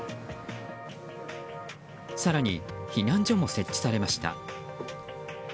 更に、避難所も設置されました。